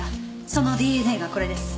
そのＤＮＡがこれです。